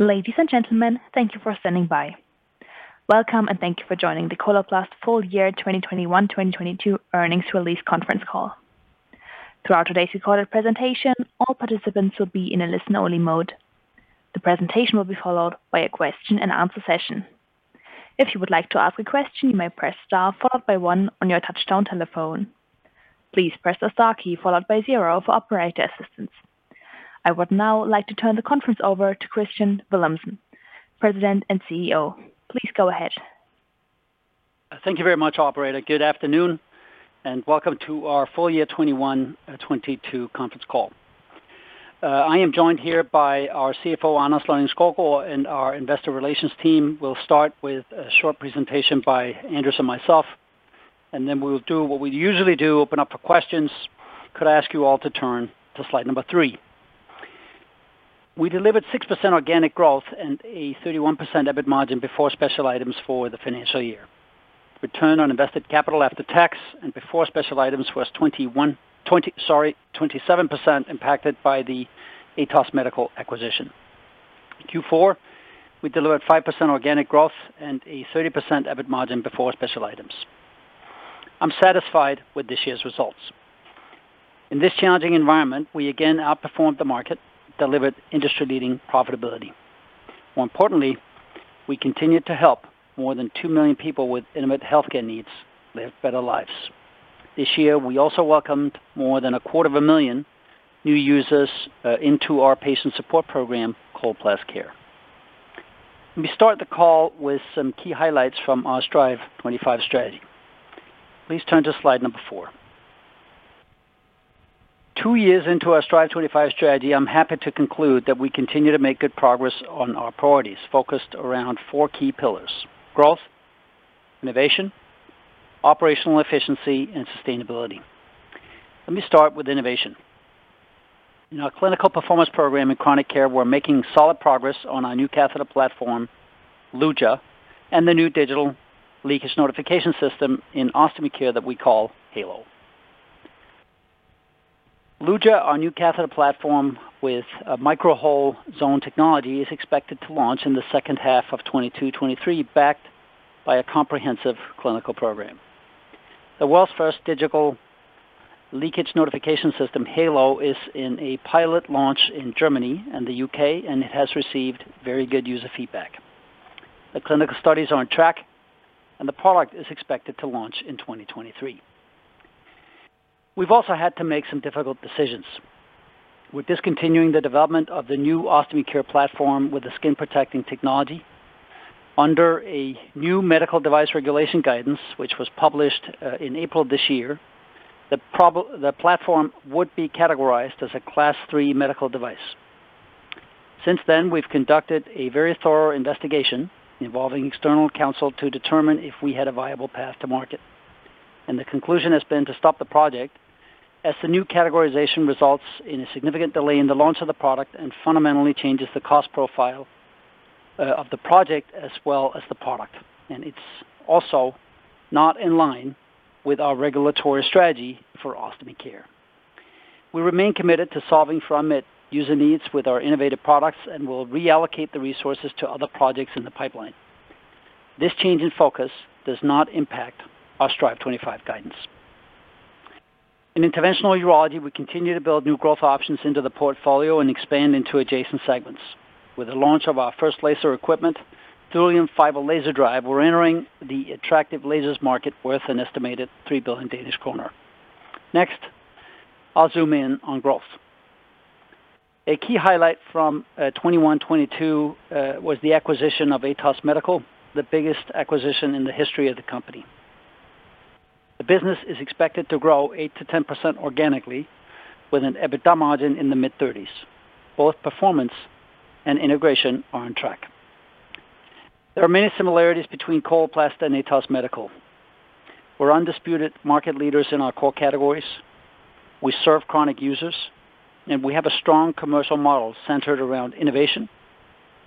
Ladies and gentlemen, thank you for standing by. Welcome, and thank you for joining the Coloplast Full Year 2021/2022 Earnings Release Conference Call. Throughout today's recorded presentation, all participants will be in a listen-only mode. The presentation will be followed by a question-and-answer session. If you would like to ask a question, you may press star followed by one on your touchtone telephone. Please press the star key followed by zero for operator assistance. I would now like to turn the conference over to Kristian Villumsen, President and CEO. Please go ahead. Thank you very much, operator. Good afternoon, and welcome to our full year 2021-2022 conference call. I am joined here by our CFO, Anders Lonning-Skovgaard, and our investor relations team. We'll start with a short presentation by Anders and myself, and then we will do what we usually do, open up for questions. Could I ask you all to turn to slide number three. We delivered 6% organic growth and a 31% EBIT margin before special items for the financial year. Return on invested capital after tax and before special items was 27% impacted by the Atos Medical acquisition. In Q4, we delivered 5% organic growth and a 30% EBIT margin before special items. I'm satisfied with this year's results. In this challenging environment, we again outperformed the market, delivered industry-leading profitability. More importantly, we continued to help more than 2 million people with intimate healthcare needs live better lives. This year, we also welcomed more than 250,000 new users into our patient support program, Coloplast Care. Let me start the call with some key highlights from our Strive25 strategy. Please turn to slide number four. Two years into our Strive25 strategy, I'm happy to conclude that we continue to make good progress on our priorities, focused around four key pillars, growth, innovation, operational efficiency, and sustainability. Let me start with innovation. In our clinical performance program in chronic care, we're making solid progress on our new catheter platform, Luja, and the new digital leakage notification system in ostomy care that we call Heylo. Luja, our new catheter platform with Micro-hole Zone Technology, is expected to launch in the second half of 2022-2023, backed by a comprehensive clinical program. The world's first digital leakage notification system, Heylo, is in a pilot launch in Germany and the U.K. and has received very good user feedback. The clinical studies are on track, and the product is expected to launch in 2023. We've also had to make some difficult decisions. We're discontinuing the development of the new ostomy care platform with the skin-protecting technology. Under a new medical device regulation guidance, which was published in April this year, the platform would be categorized as a Class III medical device. Since then, we've conducted a very thorough investigation involving external counsel to determine if we had a viable path to market, and the conclusion has been to stop the project as the new categorization results in a significant delay in the launch of the product and fundamentally changes the cost profile of the project as well as the product, and it's also not in line with our regulatory strategy for Ostomy Care. We remain committed to solving for unmet user needs with our innovative products and will reallocate the resources to other projects in the pipeline. This change in focus does not impact our Strive25 guidance. In Interventional Urology, we continue to build new growth options into the portfolio and expand into adjacent segments. With the launch of our first laser equipment, Thulium Fiber Laser Drive, we're entering the attractive lasers market worth an estimated 3 billion Danish kroner. Next, I'll zoom in on growth. A key highlight from 2021-2022 was the acquisition of Atos Medical, the biggest acquisition in the history of the company. The business is expected to grow 8%-10% organically with an EBITDA margin in the mid-30s%. Both performance and integration are on track. There are many similarities between Coloplast and Atos Medical. We're undisputed market leaders in our core categories. We serve chronic users, and we have a strong commercial model centered around innovation,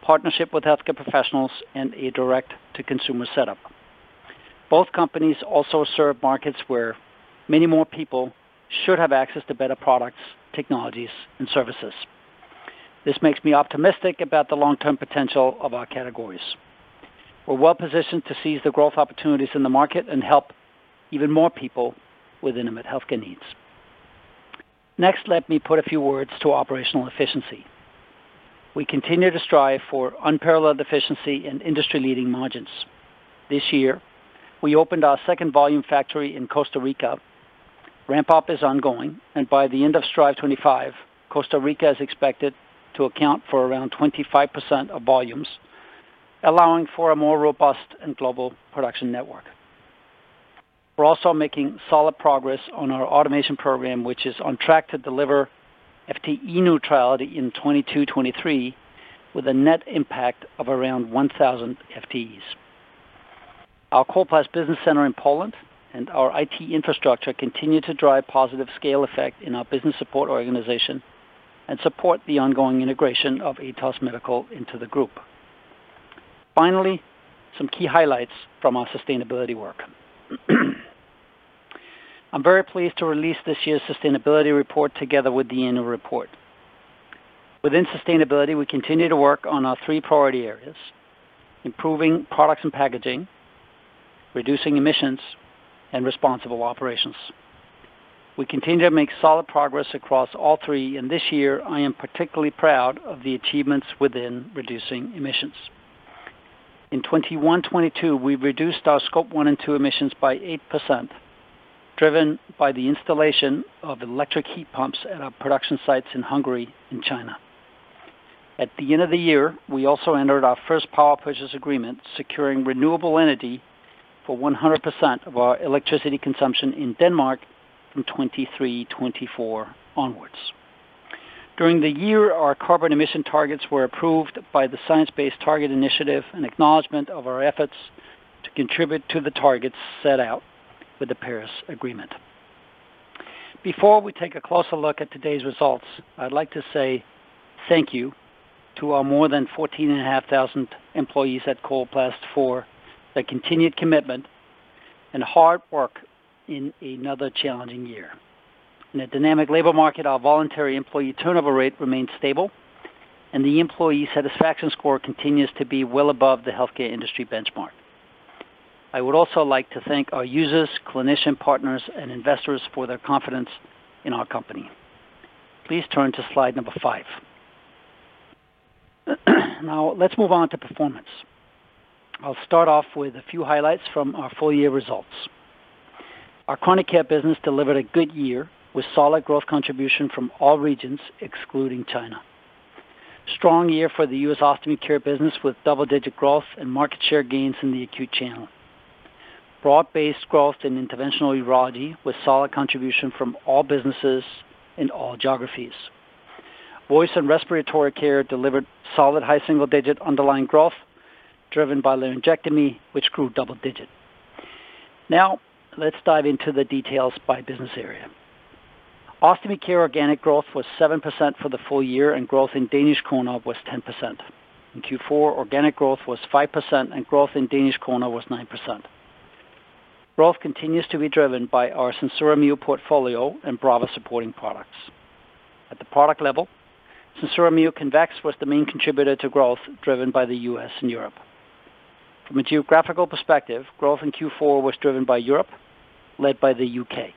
partnership with healthcare professionals, and a direct-to-consumer setup. Both companies also serve markets where many more people should have access to better products, technologies, and services. This makes me optimistic about the long-term potential of our categories. We're well-positioned to seize the growth opportunities in the market and help even more people with intimate healthcare needs. Next, let me put a few words to operational efficiency. We continue to strive for unparalleled efficiency and industry-leading margins. This year, we opened our second volume factory in Costa Rica. Ramp-up is ongoing, and by the end of Strive25, Costa Rica is expected to account for around 25% of volumes, allowing for a more robust and global production network. We're also making solid progress on our automation program, which is on track to deliver FTE neutrality in 2022-2023 with a net impact of around 1,000 FTEs. Our Coloplast business center in Poland and our IT infrastructure continue to drive positive scale effect in our business support organization and support the ongoing integration of Atos Medical into the group. Finally, some key highlights from our sustainability work. I'm very pleased to release this year's sustainability report together with the annual report. Within sustainability, we continue to work on our three priority areas, improving products and packaging, reducing emissions, and responsible operations. We continue to make solid progress across all three, and this year I am particularly proud of the achievements within reducing emissions. In 2021-2022, we reduced our Scope 1 and 2 emissions by 8%, driven by the installation of electric heat pumps at our production sites in Hungary and China. At the end of the year, we also entered our first power purchase agreement, securing renewable energy for 100% of our electricity consumption in Denmark from 2023-2024 onwards. During the year, our carbon emission targets were approved by the Science Based Targets initiative, an acknowledgment of our efforts to contribute to the targets set out with the Paris Agreement. Before we take a closer look at today's results, I'd like to say thank you to our more than 14,500 employees at Coloplast for their continued commitment and hard work in another challenging year. In a dynamic labor market, our voluntary employee turnover rate remains stable and the employee satisfaction score continues to be well above the healthcare industry benchmark. I would also like to thank our users, clinician partners, and investors for their confidence in our company. Please turn to slide number five. Now let's move on to performance. I'll start off with a few highlights from our full year results. Our chronic care business delivered a good year with solid growth contribution from all regions, excluding China. Strong year for the US Ostomy Care business with double-digit growth and market share gains in the acute channel. Broad-based growth in Interventional Urology with solid contribution from all businesses in all geographies. Voice and Respiratory Care delivered solid high single-digit underlying growth driven by laryngectomy, which grew double-digit. Now let's dive into the details by business area. Ostomy Care organic growth was 7% for the full year, and growth in Danish kroner was 10%. In Q4, organic growth was 5% and growth in Danish kroner was 9%. Growth continues to be driven by our SenSura Mio portfolio and Brava supporting products. At the product level, SenSura Mio Convex was the main contributor to growth driven by the U.S. and Europe. From a geographical perspective, growth in Q4 was driven by Europe, led by the U.K.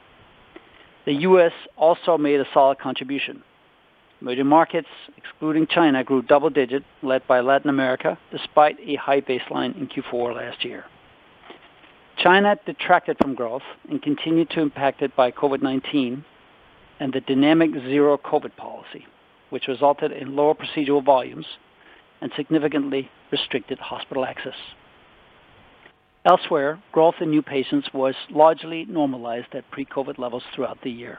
The U.S. also made a solid contribution. Emerging markets, excluding China, grew double-digit led by Latin America despite a high baseline in Q4 last year. China detracted from growth and continued to impact it by COVID-19 and the dynamic Zero-COVID policy, which resulted in lower procedural volumes and significantly restricted hospital access. Elsewhere, growth in new patients was largely normalized at pre-COVID levels throughout the year.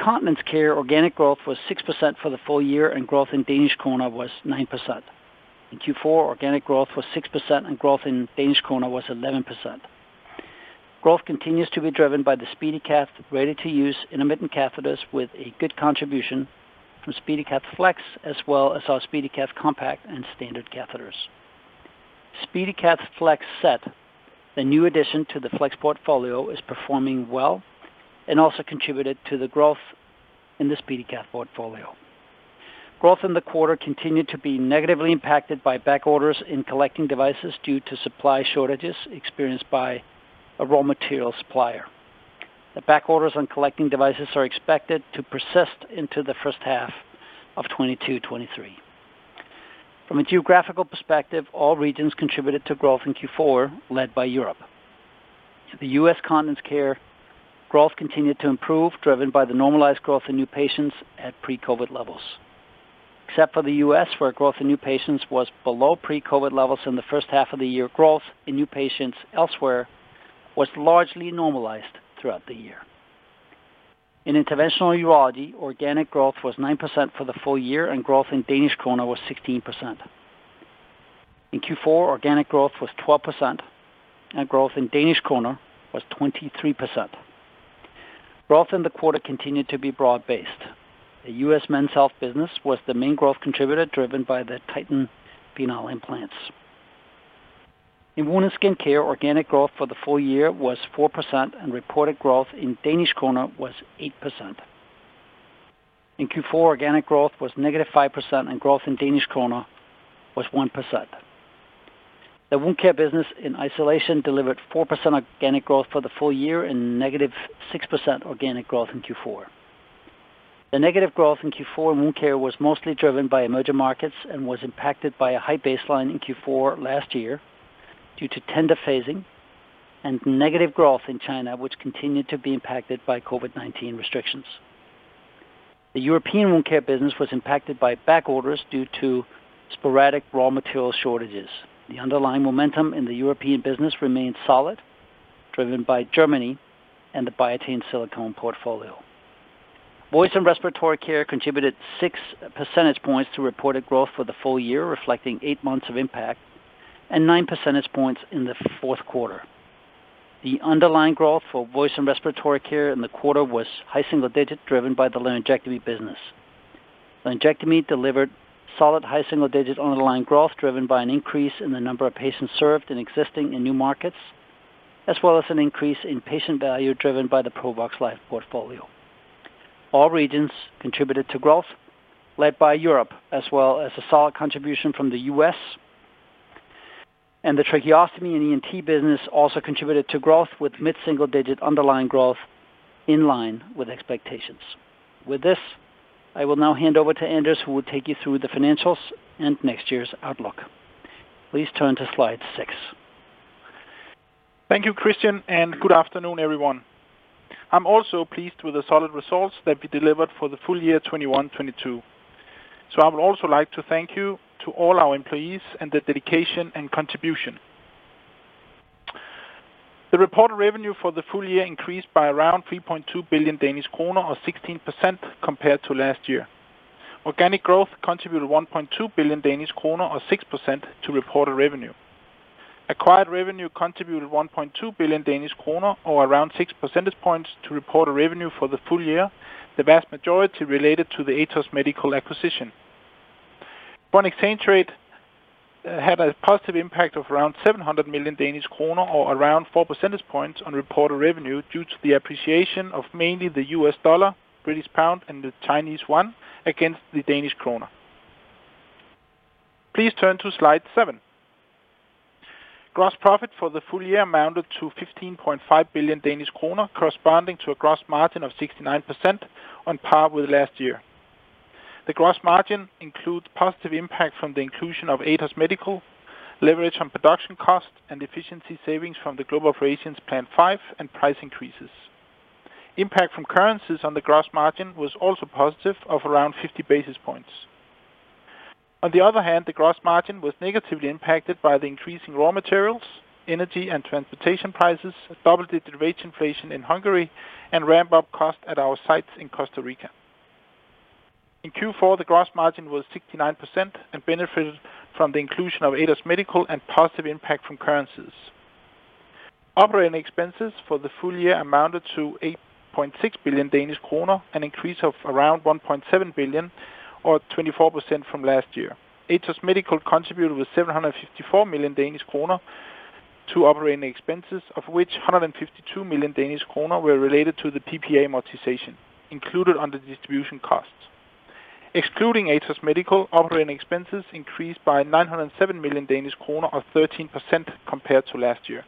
Continence Care organic growth was 6% for the full year, and growth in Danish kroner was 9%. In Q4, organic growth was 6% and growth in Danish kroner was 11%. Growth continues to be driven by the SpeediCath ready-to-use intermittent catheters with a good contribution from SpeediCath Flex as well as our SpeediCath Compact and Standard catheters. SpeediCath Flex Set, the new addition to the Flex portfolio, is performing well and also contributed to the growth in the SpeediCath portfolio. Growth in the quarter continued to be negatively impacted by back orders in collecting devices due to supply shortages experienced by a raw material supplier. The back orders on collecting devices are expected to persist into the first half of 2022-2023. From a geographical perspective, all regions contributed to growth in Q4 led by Europe. In the U.S. Continence Care, growth continued to improve, driven by the normalized growth in new patients at pre-COVID levels. Except for the U.S., where growth in new patients was below pre-COVID levels in the first half of the year, growth in new patients elsewhere was largely normalized throughout the year. In Interventional Urology, organic growth was 9% for the full year and growth in Danish kroner was 16%. In Q4, organic growth was 12% and growth in Danish kroner was 23%. Growth in the quarter continued to be broad-based. The US Men's Health business was the main growth contributor driven by the Titan penile implants. In Wound & Skin Care, organic growth for the full year was 4% and reported growth in Danish kroner was 8%. In Q4, organic growth was -5% and growth in Danish kroner was 1%. The Wound Care business in isolation delivered 4% organic growth for the full year and -6% organic growth in Q4. The negative growth in Q4 in Wound Care was mostly driven by emerging markets and was impacted by a high baseline in Q4 last year due to tender phasing and negative growth in China, which continued to be impacted by COVID-19 restrictions. The European Wound Care business was impacted by back orders due to sporadic raw material shortages. The underlying momentum in the European business remained solid, driven by Germany and the Biatain silicone portfolio. Voice and Respiratory Care contributed 6 percentage points to reported growth for the full year, reflecting eight months of impact and 9 percentage points in the fourth quarter. The underlying growth for Voice and Respiratory Care in the quarter was high single digits driven by the laryngectomy business. The injectables delivered solid high single digit underlying growth driven by an increase in the number of patients served in existing and new markets, as well as an increase in patient value driven by the Provox Life portfolio. All regions contributed to growth, led by Europe, as well as a solid contribution from the U.S. The tracheostomy and ENT business also contributed to growth with mid single digit underlying growth in line with expectations. With this, I will now hand over to Anders, who will take you through the financials and next year's outlook. Please turn to slide six. Thank you, Kristian, and good afternoon, everyone. I'm also pleased with the solid results that we delivered for the full year 2021-2022. I would also like to thank you to all our employees and their dedication and contribution. The reported revenue for the full year increased by around 3.2 billion Danish kroner or 16% compared to last year. Organic growth contributed 1.2 billion Danish kroner or 6% to reported revenue. Acquired revenue contributed 1.2 billion Danish kroner or around 6 percentage points to reported revenue for the full year, the vast majority related to the Atos Medical acquisition. Foreign exchange rate had a positive impact of around 700 million Danish kroner or around 4 percentage points on reported revenue due to the appreciation of mainly the U.S. dollar, British pound, and the Chinese yuan against the Danish kroner. Please turn to slide seven. Gross profit for the full year amounted to 15.5 billion Danish kroner, corresponding to a gross margin of 69% on par with last year. The gross margin includes positive impact from the inclusion of Atos Medical, leverage on production cost, and efficiency savings from the Global Operations Plan 5 and price increases. Impact from currencies on the gross margin was also positive of around 50 basis points. On the other hand, the gross margin was negatively impacted by the increasing raw materials, energy and transportation prices, double-digit wage inflation in Hungary, and ramp-up cost at our sites in Costa Rica. In Q4, the gross margin was 69% and benefited from the inclusion of Atos Medical and positive impact from currencies. Operating expenses for the full year amounted to 8.6 billion Danish kroner, an increase of around 1.7 billion or 24% from last year. Atos Medical contributed 754 million Danish kroner to operating expenses, of which 152 million Danish kroner were related to the PPA amortization included under the distribution costs. Excluding Atos Medical, operating expenses increased by 907 million Danish kroner or 13% compared to last year.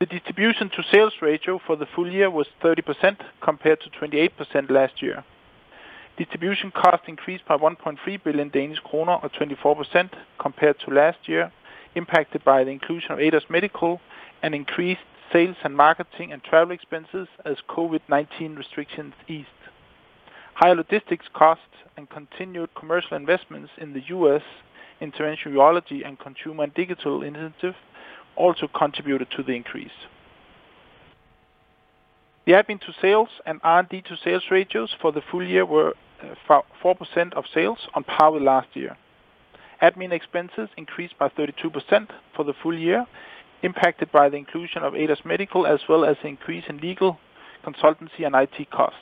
The distribution to sales ratio for the full year was 30% compared to 28% last year. Distribution costs increased by 1.3 billion Danish kroner or 24% compared to last year, impacted by the inclusion of Atos Medical and increased sales and marketing and travel expenses as COVID-19 restrictions eased. Higher logistics costs and continued commercial investments in the U.S. Interventional Urology and consumer and digital initiative also contributed to the increase. The admin to sales and R&D to sales ratios for the full year were 4% of sales on par with last year. Admin expenses increased by 32% for the full year, impacted by the inclusion of Atos Medical, as well as the increase in legal consultancy and IT costs.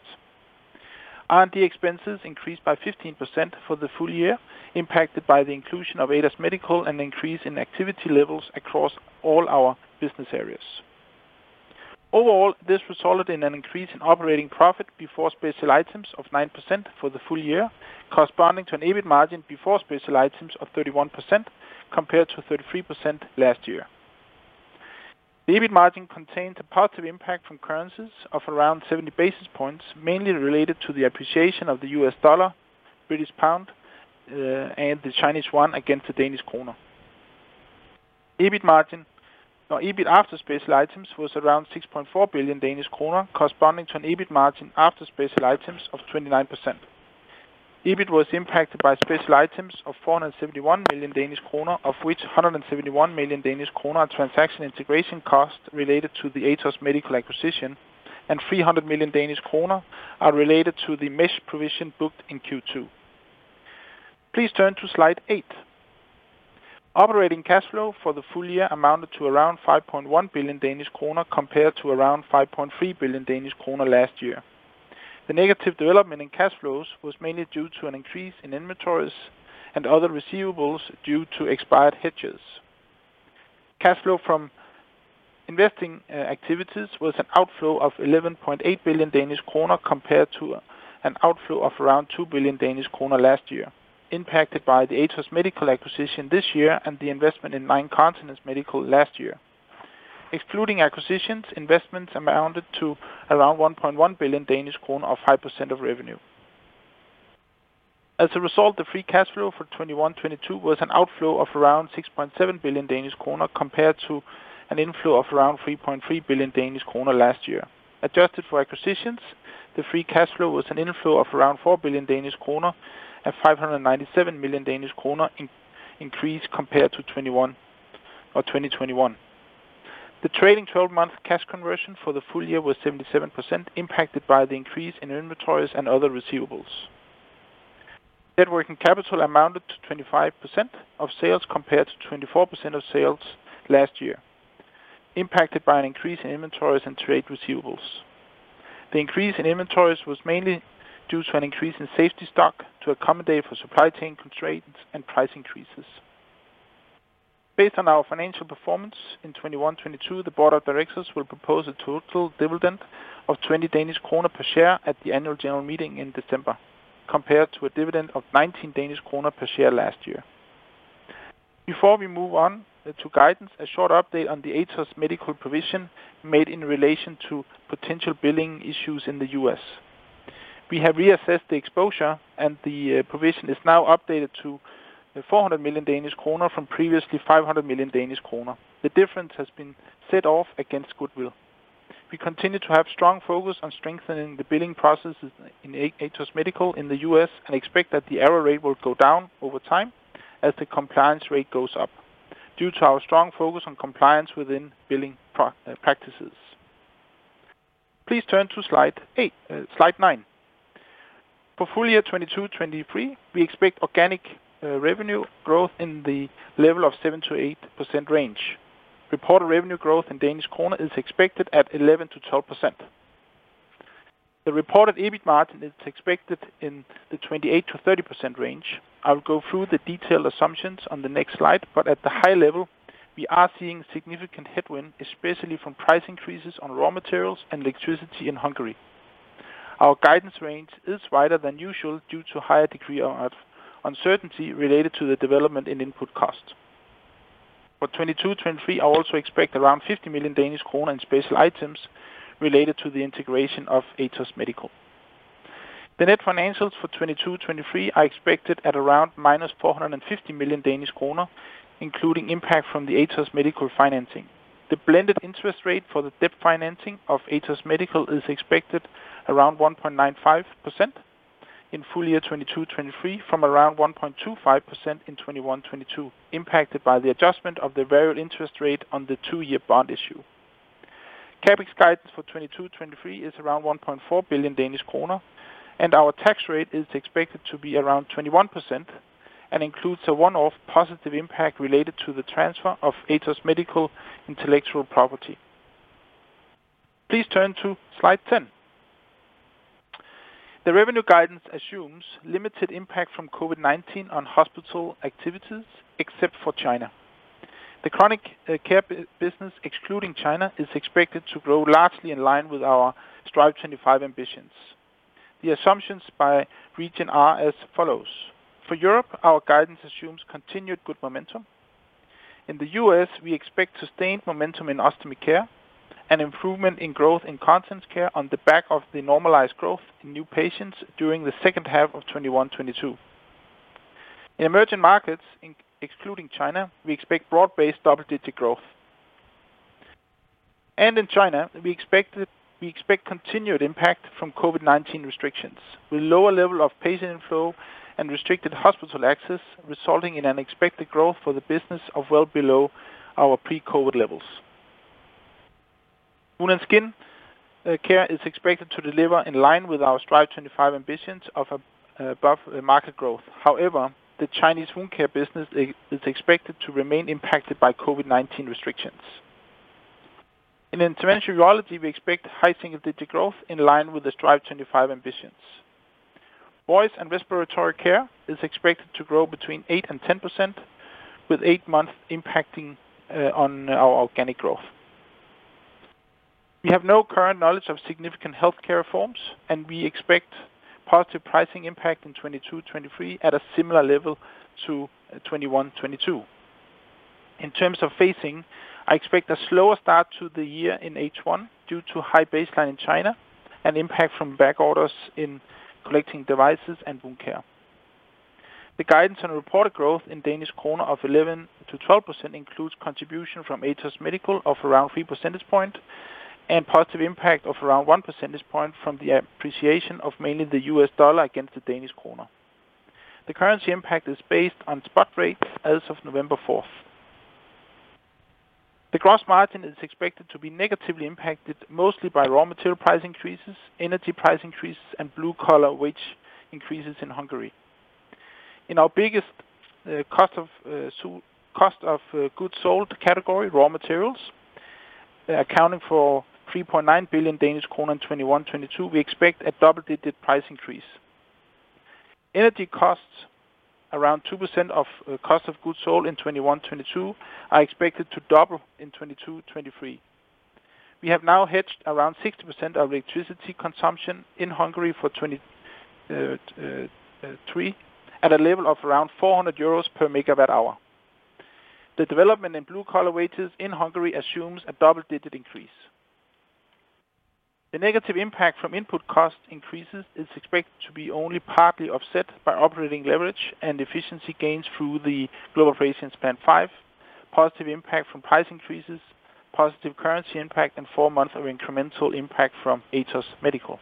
R&D expenses increased by 15% for the full year, impacted by the inclusion of Atos Medical and increase in activity levels across all our business areas. Overall, this resulted in an increase in operating profit before special items of 9% for the full year, corresponding to an EBIT margin before special items of 31% compared to 33% last year. The EBIT margin contained a positive impact from currencies of around 70 basis points, mainly related to the appreciation of the U.S. dollar, British pound, and the Chinese yuan against the Danish kroner. EBIT margin or EBIT after special items was around 6.4 billion Danish kroner, corresponding to an EBIT margin after special items of 29%. EBIT was impacted by special items of 471 million Danish kroner, of which 171 million Danish kroner are transaction integration costs related to the Atos Medical acquisition, and 300 million Danish kroner are related to the mesh provision booked in Q2. Please turn to slide eight. Operating cash flow for the full year amounted to around 5.1 billion Danish kroner compared to around 5.3 billion Danish kroner last year. The negative development in cash flows was mainly due to an increase in inventories and other receivables due to expired hedges. Cash flow from investing activities was an outflow of 11.8 billion Danish kroner compared to an outflow of around 2 billion Danish kroner last year, impacted by the Atos Medical acquisition this year and the investment in Nine Continents Medical last year. Excluding acquisitions, investments amounted to around 1.1 billion Danish kroner or 5% of revenue. As a result, the free cash flow for 2021/2022 was an outflow of around 6.7 billion Danish kroner compared to an inflow of around 3.3 billion Danish kroner last year. Adjusted for acquisitions, the free cash flow was an inflow of around 4 billion Danish kroner, a 597 million Danish kroner increase compared to 2021. The trailing twelve-month cash conversion for the full year was 77%, impacted by the increase in inventories and other receivables. Net working capital amounted to 25% of sales compared to 24% of sales last year, impacted by an increase in inventories and trade receivables. The increase in inventories was mainly due to an increase in safety stock to accommodate for supply chain constraints and price increases. Based on our financial performance in 2021, 2022, the board of directors will propose a total dividend of DDK 20 per share at the annual general meeting in December, compared to a dividend of DDK 19 per share last year. Before we move on to guidance, a short update on the Atos Medical provision made in relation to potential billing issues in the U.S. We have reassessed the exposure, and the provision is now updated to 400 million Danish kroner from previously 500 million Danish kroner. The difference has been set off against goodwill. We continue to have strong focus on strengthening the billing processes in Atos Medical in the U.S. and expect that the error rate will go down over time as the compliance rate goes up due to our strong focus on compliance within billing practices. Please turn to slide eight, slide nine. For full year 2022-2023, we expect organic revenue growth in the level of 7%-8% range. Reported revenue growth in Danish krone is expected at 11%-12%. The reported EBIT margin is expected in the 28%-30% range. I'll go through the detailed assumptions on the next slide, but at the high level, we are seeing significant headwind, especially from price increases on raw materials and electricity in Hungary. Our guidance range is wider than usual due to higher degree of uncertainty related to the development in input costs. For 2022-2023, I also expect around 50 million Danish kroner in special items related to the integration of Atos Medical. The net financials for 2022-2023 are expected at around -450 million Danish kroner, including impact from the Atos Medical financing. The blended interest rate for the debt financing of Atos Medical is expected around 1.95% in full year 2022-2023 from around 1.25% in 2021-2022, impacted by the adjustment of the variable interest rate on the two-year bond issue. CapEx guidance for 2022, 2023 is around 1.4 billion Danish kroner, and our tax rate is expected to be around 21% and includes a one-off positive impact related to the transfer of Atos Medical intellectual property. Please turn to slide 10. The revenue guidance assumes limited impact from COVID-19 on hospital activities, except for China. The chronic care business, excluding China, is expected to grow largely in line with our Strive25 ambitions. The assumptions by region are as follows. For Europe, our guidance assumes continued good momentum. In the U.S., we expect sustained momentum in ostomy care and improvement in growth in continence care on the back of the normalized growth in new patients during the second half of 2021, 2022. In emerging markets excluding China, we expect broad-based double-digit growth. In China, we expect continued impact from COVID-19 restrictions with lower level of patient inflow and restricted hospital access, resulting in an expected growth for the business of well below our pre-COVID levels. Wound and Skin Care is expected to deliver in line with our Strive25 ambitions of above market growth. However, the Chinese wound care business is expected to remain impacted by COVID-19 restrictions. In Interventional Urology, we expect high single-digit growth in line with the Strive25 ambitions. Voice and Respiratory Care is expected to grow 8%-10% with eight months impacting on our organic growth. We have no current knowledge of significant healthcare reforms, and we expect positive pricing impact in 2022, 2023 at a similar level to 2021, 2022. In terms of phasing, I expect a slower start to the year in H1 due to high baseline in China and impact from back orders in continence devices and wound care. The guidance on reported growth in Danish krone of 11%-12% includes contribution from Atos Medical of around 3 percentage point and positive impact of around 1 percentage point from the appreciation of mainly the U.S. dollar against the Danish krone. The currency impact is based on spot rate as of November 4th. The gross margin is expected to be negatively impacted mostly by raw material price increases, energy price increases, and blue collar wage increases in Hungary. In our biggest cost of goods sold category, raw materials, accounting for 3.9 billion Danish kroner in 2021-2022, we expect a double-digit price increase. Energy costs, around 2% of cost of goods sold in 2021-2022, are expected to double in 2022-2023. We have now hedged around 60% of electricity consumption in Hungary for 2023 at a level of around 400 euros per MWh. The development in blue collar wages in Hungary assumes a double-digit increase. The negative impact from input cost increases is expected to be only partly offset by operating leverage and efficiency gains through the Global Operations Plan 5, positive impact from price increases, positive currency impact, and four months of incremental impact from Atos Medical.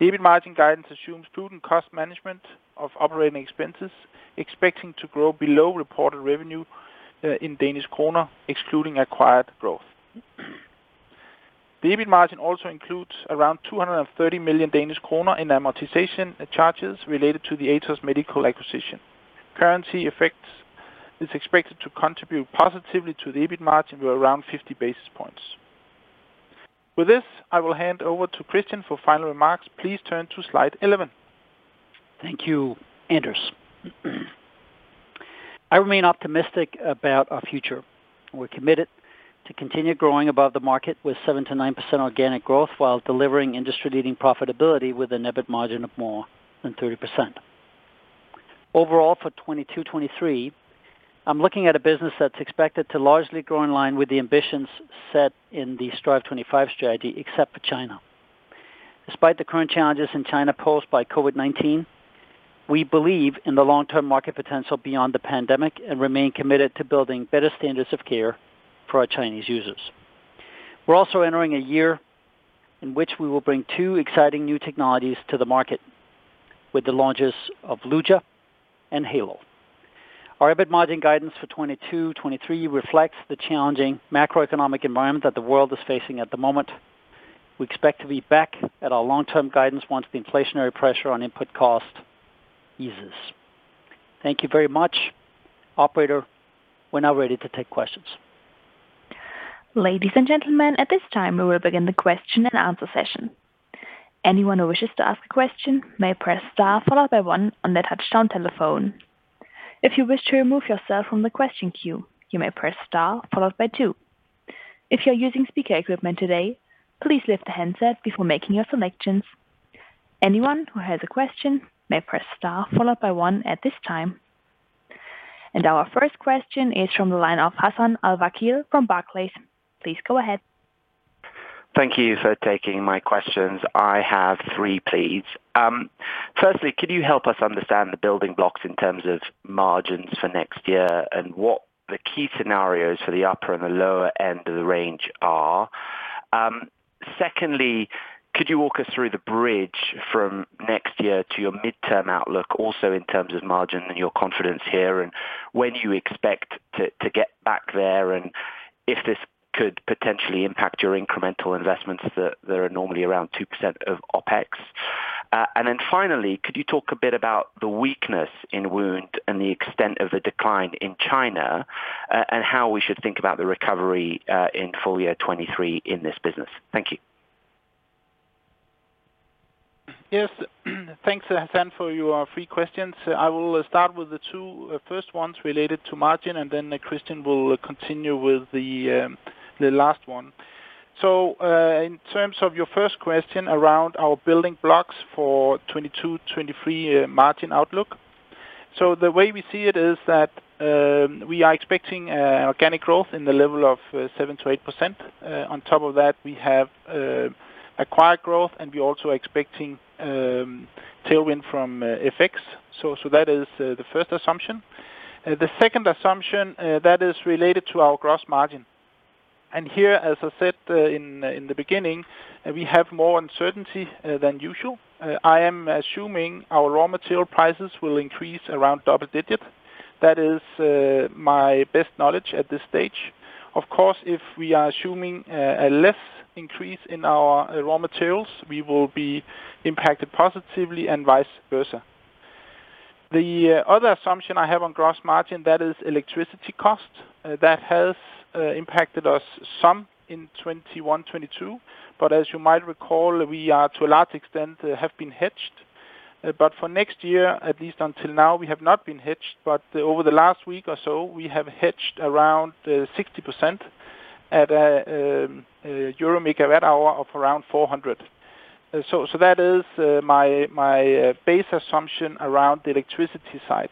EBIT margin guidance assumes prudent cost management of operating expenses, expecting to grow below reported revenue in Danish kroner, excluding acquired growth. The EBIT margin also includes around 230 million Danish kroner in amortization charges related to the Atos Medical acquisition. Currency effects is expected to contribute positively to the EBIT margin to around 50 basis points. With this, I will hand over to Kristian for final remarks. Please turn to slide 11. Thank you, Anders. I remain optimistic about our future. We're committed to continue growing above the market with 7%-9% organic growth while delivering industry-leading profitability with an EBIT margin of more than 30%. Overall, for 2022, 2023, I'm looking at a business that's expected to largely grow in line with the ambitions set in the Strive25 strategy, except for China. Despite the current challenges in China posed by COVID-19, we believe in the long-term market potential beyond the pandemic and remain committed to building better standards of care for our Chinese users. We're also entering a year in which we will bring two exciting new technologies to the market with the launches of Luja and Heylo. Our EBIT margin guidance for 2022, 2023 reflects the challenging macroeconomic environment that the world is facing at the moment. We expect to be back at our long-term guidance once the inflationary pressure on input cost eases. Thank you very much. Operator, we're now ready to take questions. Ladies and gentlemen, at this time, we will begin the question and answer session. Anyone who wishes to ask a question may press star followed by one on their touchtone telephone. If you wish to remove yourself from the question queue, you may press star followed by two. If you're using speaker equipment today, please lift the handset before making your selections. Anyone who has a question may press star followed by one at this time. Our first question is from the line of Hassan Al-Wakeel from Barclays. Please go ahead. Thank you for taking my questions. I have three, please. Firstly, could you help us understand the building blocks in terms of margins for next year and what the key scenarios for the upper and the lower end of the range are? Secondly, could you walk us through the bridge from next year to your midterm outlook also in terms of margin and your confidence here, and when do you expect to get back there, and if this could potentially impact your incremental investments that are normally around 2% of OpEx? And then finally, could you talk a bit about the weakness in wound and the extent of the decline in China, and how we should think about the recovery in full year 2023 in this business? Thank you. Yes. Thanks, Hassan, for your three questions. I will start with the two first ones related to margin, and then Kristian will continue with the last one. In terms of your first question around our building blocks for 2022, 2023 margin outlook. The way we see it is that we are expecting organic growth in the level of 7%-8%. On top of that, we have acquired growth, and we're also expecting tailwind from FX. That is the first assumption. The second assumption that is related to our gross margin. Here, as I said, in the beginning, we have more uncertainty than usual. I am assuming our raw material prices will increase around double digit. That is my best knowledge at this stage. Of course, if we are assuming a less increase in our raw materials, we will be impacted positively and vice versa. The other assumption I have on gross margin, that is electricity cost. That has impacted us some in 2021, 2022. As you might recall, we are to a large extent have been hedged. For next year, at least until now, we have not been hedged. Over the last week or so, we have hedged around 60% at a EUR 400 per MWh. So that is my base assumption around the electricity side.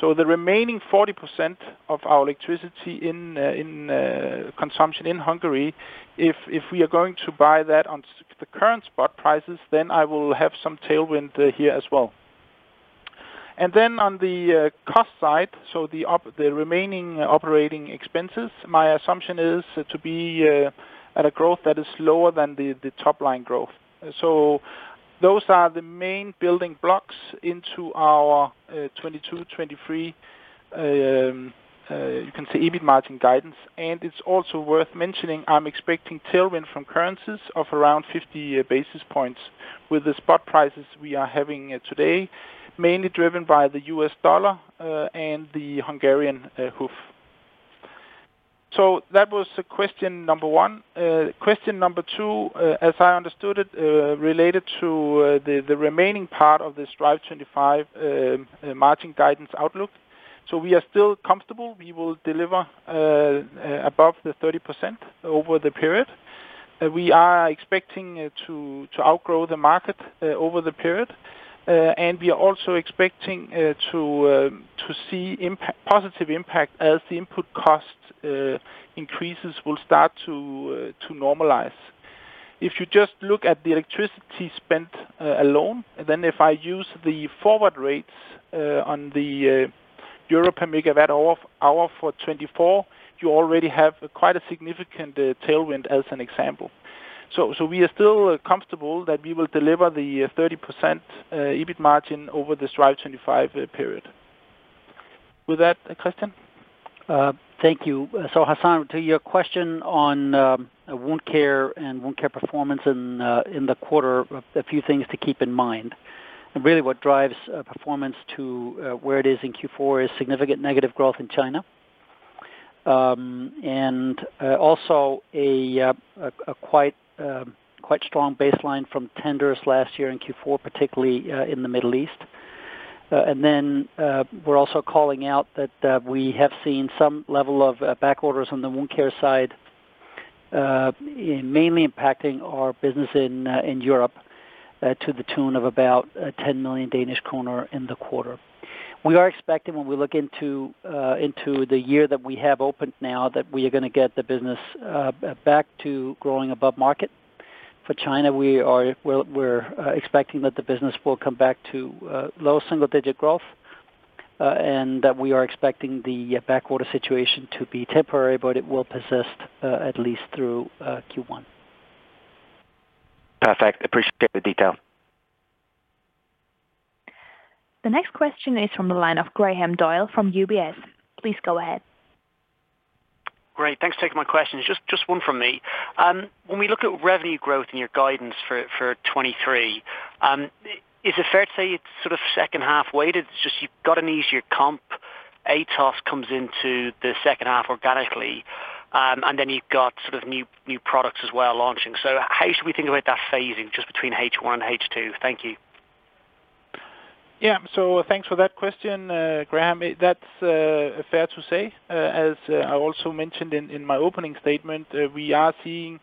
The remaining 40% of our electricity in consumption in Hungary, if we are going to buy that on the current spot prices, then I will have some tailwind here as well. Then on the cost side, the remaining operating expenses, my assumption is to be at a growth that is lower than the top line growth. Those are the main building blocks into our 2022, 2023, you can say EBIT margin guidance. It's also worth mentioning, I'm expecting tailwind from currencies of around 50 basis points with the spot prices we are having today, mainly driven by the U.S. dollar and the Hungarian forint. That was question number one. Question number two, as I understood it, related to the remaining part of the Strive25 margin guidance outlook. We are still comfortable we will deliver above the 30% over the period. We are expecting to outgrow the market over the period. We are also expecting to see positive impact as the input cost increases will start to normalize. If you just look at the electricity spent alone, and then if I use the forward rates on the European megawatt hour for 2024, you already have quite a significant tailwind as an example. We are still comfortable that we will deliver the 30% EBIT margin over the Strive25 period. With that, Kristian? Thank you. Hassan, to your question on wound care performance in the quarter, a few things to keep in mind. Really what drives performance to where it is in Q4 is significant negative growth in China. Also a quite strong baseline from tenders last year in Q4, particularly in the Middle East. We're also calling out that we have seen some level of back orders on the wound care side, mainly impacting our business in Europe, to the tune of about 10 million Danish kroner in the quarter. We are expecting when we look into the year that we have opened now that we are gonna get the business back to growing above market. For China, we're expecting that the business will come back to low single-digit growth, and that we are expecting the backorder situation to be temporary, but it will persist at least through Q1. Perfect. Appreciate the detail. The next question is from the line of Graham Doyle from UBS. Please go ahead. Great. Thanks for taking my questions. Just one from me. When we look at revenue growth in your guidance for 2023, is it fair to say it's sort of second half weighted? It's just you've got an easier comp. Atos comes into the second half organically, and then you've got sort of new products as well launching. How should we think about that phasing just between H1, H2? Thank you. Yeah. Thanks for that question, Graham. That's fair to say. As I also mentioned in my opening statement, we are seeing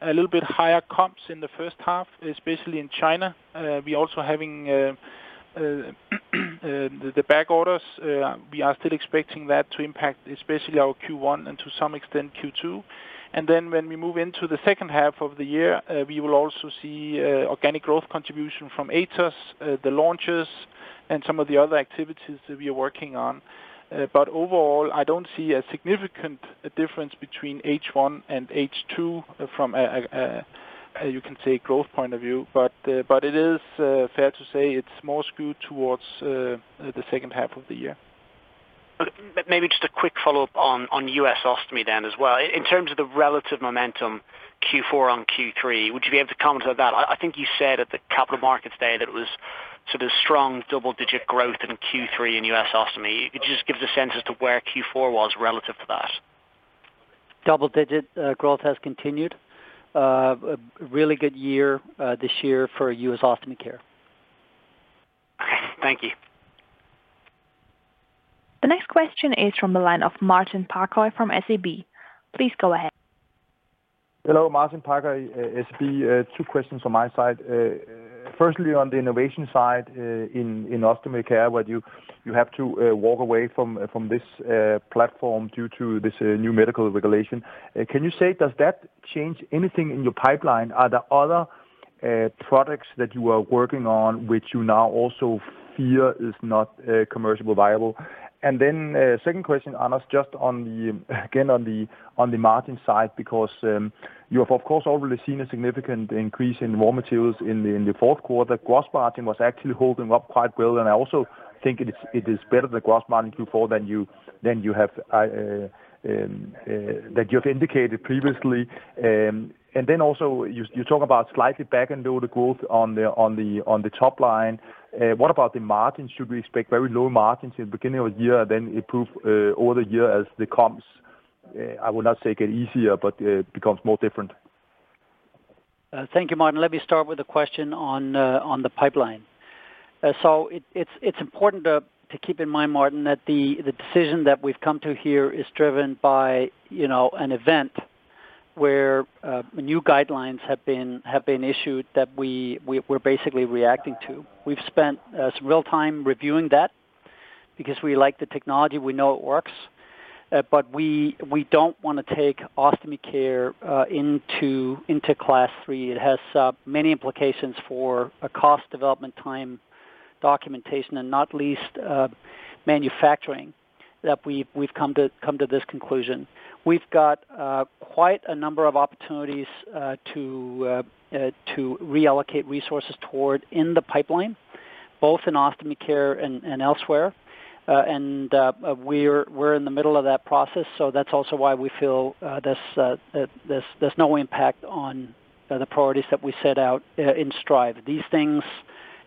a little bit higher comps in the first half, especially in China. We're also having the back orders. We are still expecting that to impact especially our Q1 and to some extent Q2. When we move into the second half of the year, we will also see organic growth contribution from Atos, the launches and some of the other activities that we are working on. Overall, I don't see a significant difference between H1 and H2 from a you can say growth point of view. It is fair to say it's more skewed towards the second half of the year. Maybe just a quick follow-up on US Ostomy then as well. In terms of the relative momentum Q4 on Q3, would you be able to comment on that? I think you said at the Capital Markets Day that it was sort of strong double-digit growth in Q3 in US Ostomy. Could you just give us a sense as to where Q4 was relative to that? Double-digit growth has continued. A really good year this year for US Ostomy Care. Okay. Thank you. The next question is from the line of Martin Parkhøi from SEB. Please go ahead. Hello, Martin Parkhøi, SEB. Two questions from my side. Firstly on the innovation side, in Ostomy Care, where you have to walk away from this platform due to this new medical regulation. Can you say, does that change anything in your pipeline? Are there other products that you are working on which you now also fear is not commercially viable? Second question, Anders, just on the margin side again, because you have, of course, already seen a significant increase in raw materials in the fourth quarter. Gross margin was actually holding up quite well, and I also think it is better, the gross margin Q4, than you have indicated previously. You talk about slightly back-end-loaded growth on the top line. What about the margin? Should we expect very low margins in the beginning of the year, then improve over the year as the comps I would not say get easier, but become more difficult? Thank you, Martin. Let me start with a question on the pipeline. It's important to keep in mind, Martin, that the decision that we've come to here is driven by, you know, an event where new guidelines have been issued that we're basically reacting to. We've spent some real time reviewing that because we like the technology, we know it works. We don't wanna take Ostomy Care into Class III. It has many implications for cost, development, time, documentation and not least manufacturing that we've come to this conclusion. We've got quite a number of opportunities to reallocate resources toward in the pipeline, both in Ostomy Care and elsewhere. We're in the middle of that process, so that's also why we feel there's no impact on the priorities that we set out in Strive. These things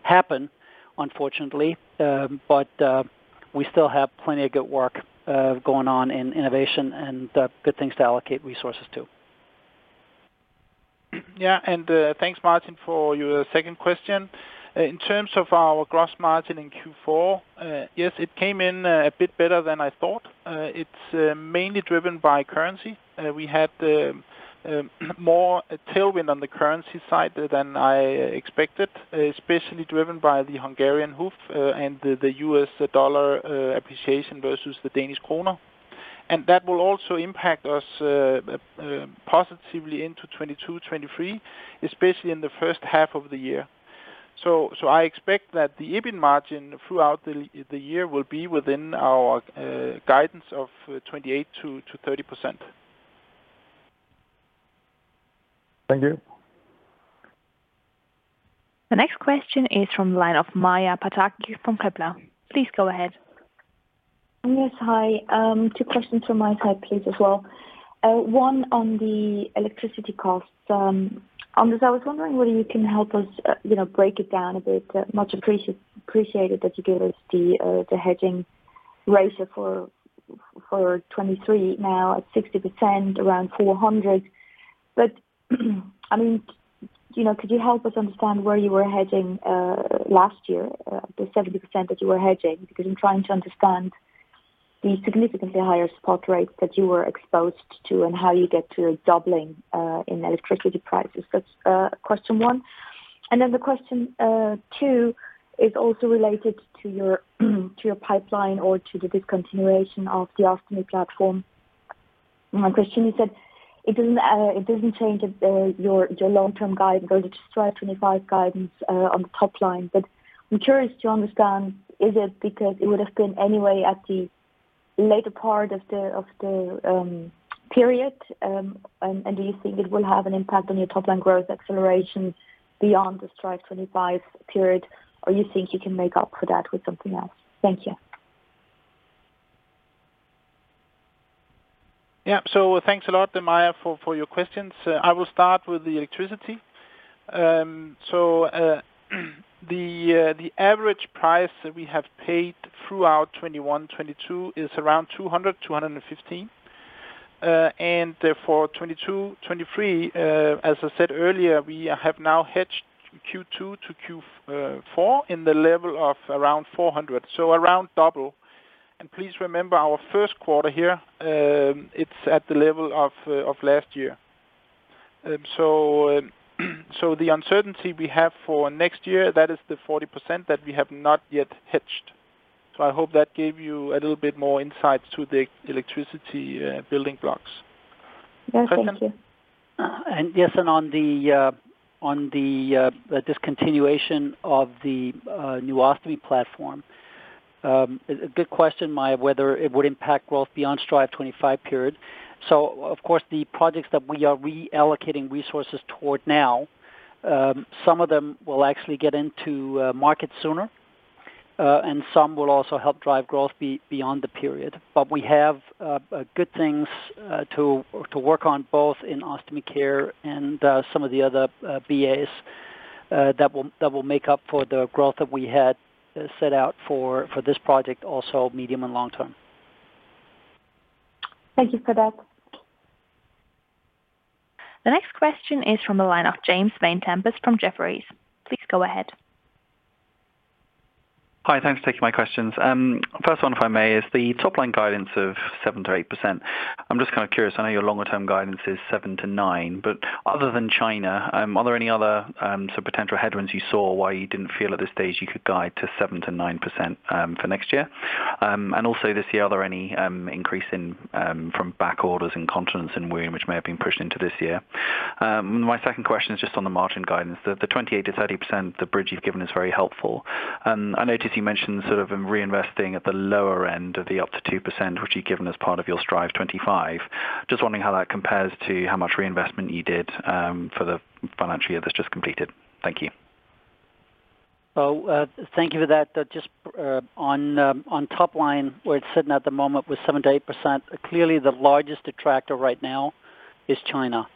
happen, unfortunately, but we still have plenty of good work going on in innovation and good things to allocate resources to. Yeah. Thanks, Martin, for your second question. In terms of our gross margin in Q4, yes, it came in a bit better than I thought. It's mainly driven by currency. We had more tailwind on the currency side than I expected, especially driven by the Hungarian HUF and the U.S. dollar appreciation versus the Danish kroner. That will also impact us positively into 2022, 2023, especially in the first half of the year. I expect that the EBIT margin throughout the year will be within our guidance of 28%-30%. Thank you. The next question is from the line of Maja Pataki from Kepler. Please go ahead. Yes, hi. Two questions from my side, please, as well. One on the electricity costs. Anders, I was wondering whether you can help us, you know, break it down a bit. Much appreciated that you gave us the hedging ratio for 2023, now at 60% around 400. I mean, you know, could you help us understand where you were hedging last year, the 70% that you were hedging? Because I'm trying to understand the significantly higher spot rates that you were exposed to and how you get to doubling in electricity prices. That's question one. The question two is also related to your pipeline or to the discontinuation of the Ostomy platform. My question is that it doesn't change your long-term guide, whether Strive25 guidance on the top line. I'm curious to understand, is it because it would have been anyway at the later part of the period? Do you think it will have an impact on your top line growth acceleration beyond the Strive25 period? Or you think you can make up for that with something else? Thank you. Yeah. Thanks a lot, Maja, for your questions. I will start with the electricity. The average price that we have paid throughout 2021, 2022 is around 200-215. And therefore 2022, 2023, as I said earlier, we have now hedged Q2 to Q4 in the level of around 400, so around double. Please remember our first quarter here, it's at the level of last year. The uncertainty we have for next year, that is the 40% that we have not yet hedged. I hope that gave you a little bit more insight to the electricity building blocks. Yeah. Thank you. Yes, on the discontinuation of the new Ostomy platform, a good question, Maja, whether it would impact growth beyond the Strive25 period. Of course, the projects that we are reallocating resources toward now, some of them will actually get into market sooner, and some will also help drive growth beyond the period. We have good things to work on, both in Ostomy Care and some of the other BAs, that will make up for the growth that we had set out for this project, also medium and long term. Thank you for that. The next question is from the line of James Vane-Tempest from Jefferies. Please go ahead. Hi. Thanks for taking my questions. First one, if I may, is the top line guidance of 7%-8%. I'm just kind of curious, I know your longer term guidance is 7%-9%, but other than China, are there any other sort of potential headwinds you saw why you didn't feel at this stage you could guide to 7%-9% for next year? And also this year, are there any increase in from back orders in continence and urology, which may have been pushed into this year? My second question is just on the margin guidance. The 28%-30%, the bridge you've given is very helpful. I noticed you mentioned sort of in reinvesting at the lower end of the up to 2%, which you've given as part of your Strive25. Just wondering how that compares to how much reinvestment you did, for the financial year that's just completed. Thank you. Thank you for that. Just on top line, where it's sitting at the moment with 7%-8%, clearly the largest attractor right now is China.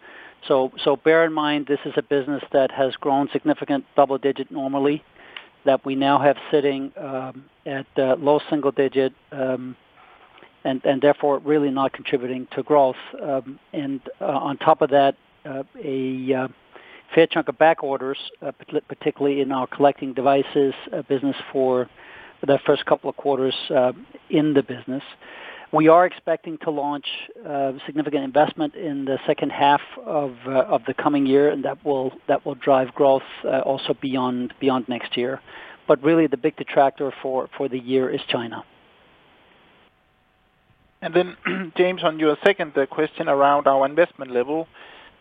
Bear in mind this is a business that has grown significant double digit normally, that we now have sitting at low single digit, and therefore really not contributing to growth. On top of that, a fair chunk of back orders, particularly in our collecting devices business for the first couple of quarters in the business. We are expecting to launch significant investment in the second half of the coming year, and that will drive growth also beyond next year. Really the big detractor for the year is China. James, on your second question around our investment level,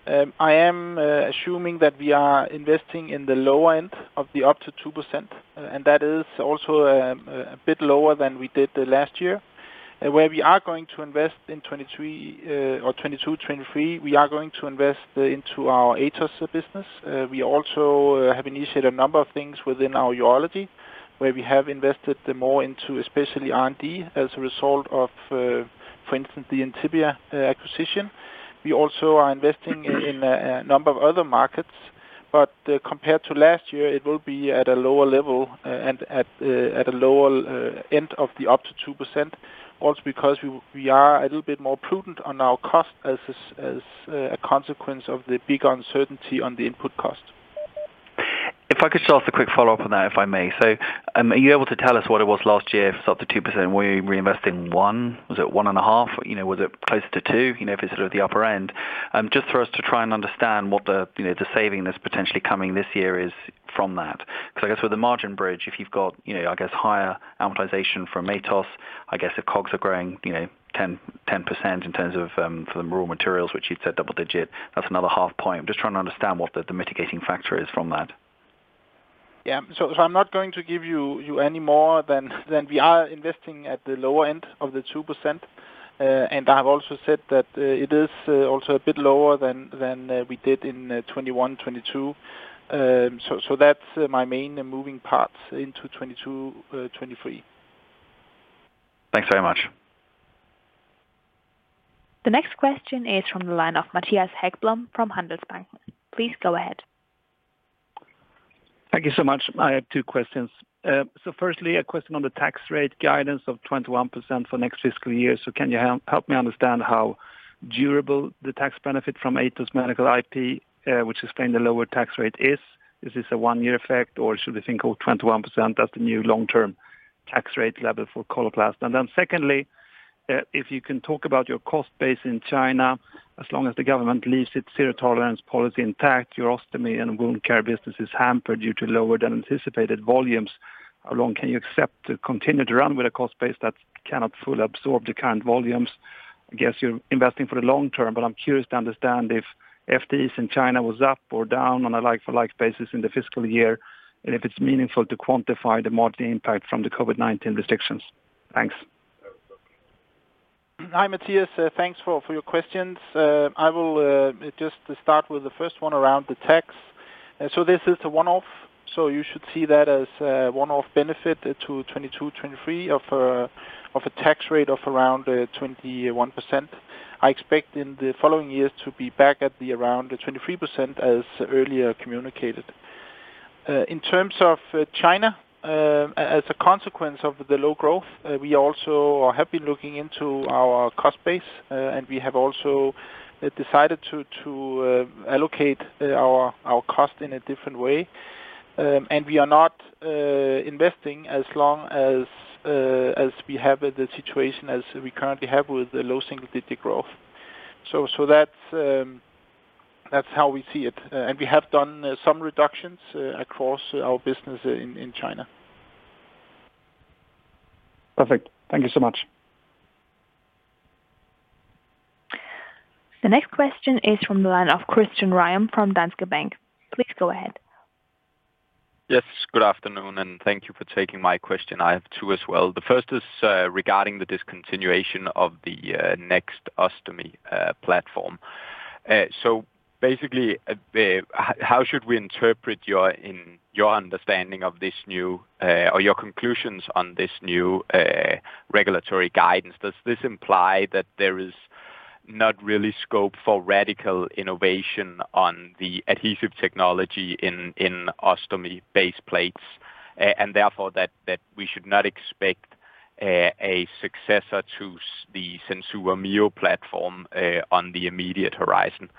I am assuming that we are investing in the lower end of the up to 2%, and that is also a bit lower than we did the last year. Where we are going to invest in 2023 or 2022-2023, we are going to invest into our Atos business. We also have initiated a number of things within our urology, where we have invested more into especially R&D as a result of, for instance, the Entivia acquisition. We also are investing in a number of other markets, but compared to last year, it will be at a lower level and at a lower end of the up to 2%.Also because we are a little bit more prudent on our cost as a consequence of the big uncertainty on the input cost. If I could just ask a quick follow-up on that, if I may. Are you able to tell us what it was last year for up to 2%? Were you reinvesting 1%? Was it 1.5%? You know, was it closer to 2%? You know, if it's sort of the upper end. Just for us to try and understand what the, you know, the saving that's potentially coming this year is from that. Because I guess with the margin bridge, if you've got, you know, I guess higher amortization from Atos, I guess the costs are growing, you know, 10% in terms of for the raw materials, which you've said double digit, that's another half point. I'm just trying to understand what the mitigating factor is from that. I'm not going to give you any more than we are investing at the lower end of the 2%. I've also said that it is also a bit lower than we did in 2021, 2022. That's my main moving parts into 2022, 2023. Thanks very much. The next question is from the line of Mattias Häggblom from Handelsbanken. Please go ahead. Thank you so much. I have two questions. Firstly, a question on the tax rate guidance of 21% for next fiscal year. Can you help me understand how durable the tax benefit from Atos Medical IP, which is paying the lower tax rate, is? Is this a one-year effect, or should we think of 21% as the new long-term tax rate level for Coloplast? Secondly, if you can talk about your cost base in China, as long as the government leaves its Zero-COVID policy intact, your ostomy and wound care business is hampered due to lower than anticipated volumes. How long can you accept to continue to run with a cost base that cannot fully absorb the current volumes? I guess you're investing for the long term, but I'm curious to understand if FTEs in China was up or down on a like for like basis in the fiscal year, and if it's meaningful to quantify the margin impact from the COVID-19 restrictions. Thanks. Hi, Mattias. Thanks for your questions. I will just start with the first one around the tax. This is a one-off, so you should see that as a one-off benefit to 2022, 2023 of a tax rate of around 21%. I expect in the following years to be back at around the 23% as earlier communicated. In terms of China, as a consequence of the low growth, we also are happy looking into our cost base, and we have also decided to allocate our cost in a different way. We are not investing as long as we have the situation as we currently have with the low single-digit growth. That's how we see it. We have done some reductions across our business in China. Perfect. Thank you so much. The next question is from the line of Christian Ryom from Danske Bank. Please go ahead. Yes, good afternoon, and thank you for taking my question. I have two as well. The first is regarding the discontinuation of the next ostomy platform. So basically, how should we interpret your understanding of this new or your conclusions on this new regulatory guidance? Does this imply that there is not really scope for radical innovation on the adhesive technology in ostomy base plates, and therefore that we should not expect a successor to the SenSura Mio platform on the immediate horizon?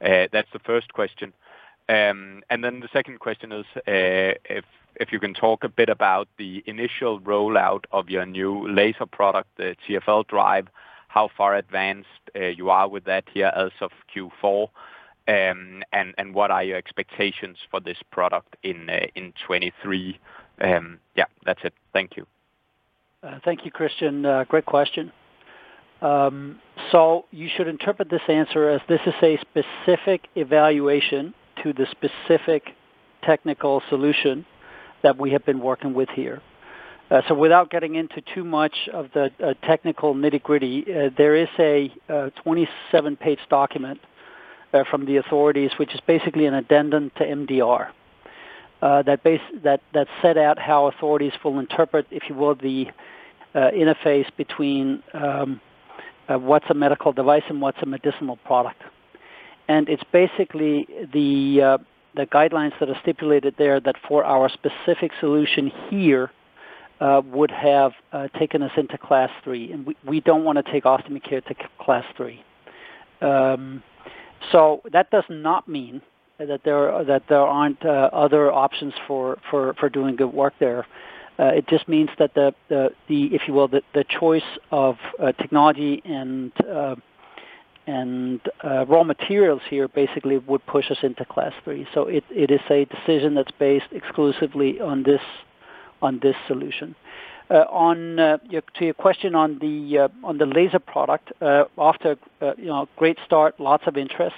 That's the first question. The second question is, if you can talk a bit about the initial rollout of your new laser product, the TFL Drive, how far advanced you are with that here as of Q4, and what are your expectations for this product in 2023? Yeah, that's it. Thank you. Thank you, Christian. Great question. You should interpret this answer as this is a specific evaluation to the specific technical solution that we have been working with here. Without getting into too much of the technical nitty-gritty, there is a 27-page document from the authorities, which is basically an addendum to MDR, that set out how authorities will interpret, if you will, the interface between what's a medical device and what's a medicinal product. It's basically the guidelines that are stipulated there that for our specific solution here would have taken us into Class III, and we don't wanna take Ostomy Care to Class III. That does not mean that there aren't other options for doing good work there. It just means that if you will, the choice of technology and raw materials here basically would push us into Class III. It is a decision that's based exclusively on this solution. On to your question on the laser product, off to a you know, great start, lots of interest.